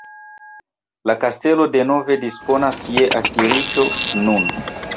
La kastelo denove disponas je akiriĝo nun.